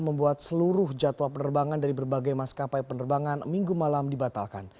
membuat seluruh jadwal penerbangan dari berbagai maskapai penerbangan minggu malam dibatalkan